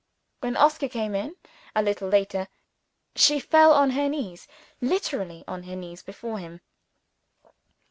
When Oscar came in, a little later, she fell on her knees literally on her knees before him.